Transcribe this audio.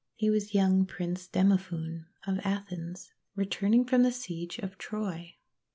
He was young Prince Demophoon of Athens, returning from the siege of Troy.